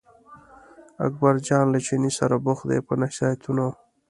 اکبرجان له چیني سره بوخت دی په نصیحتونو.